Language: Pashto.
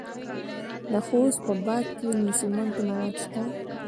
د خوست په باک کې د سمنټو مواد شته.